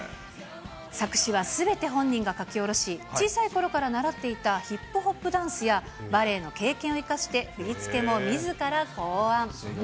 作詞はすべて本人が書き下ろし、小さいころから習っていたヒップホップダンスや、バレエの経験を生かして、振り付けもみずから考案。